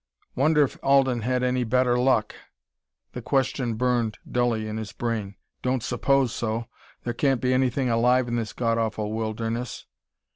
"Wonder if Alden had any better luck?" The question burned dully in his brain. "Don't suppose so; there can't be anything alive in this God awful wilderness."